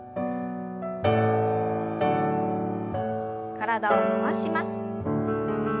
体を回します。